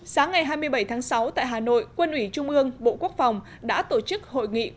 sáng ngày hai mươi bảy tháng sáu tại hà nội quân ủy trung ương bộ quốc phòng đã tổ chức hội nghị quân chính toàn